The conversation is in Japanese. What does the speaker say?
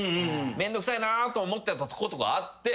めんどくさいなあと思ってたことがあって。